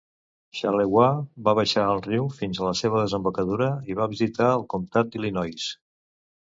Charlevoix va baixar el riu fins a la seva desembocadura i va visitar el comtat d'Illinois.